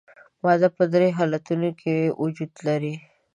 ماده په درې حالتونو کې وجود لري.